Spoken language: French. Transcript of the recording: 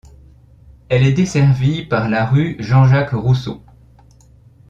Elle est desservie par la rue Jean-Jacques-Rousseau.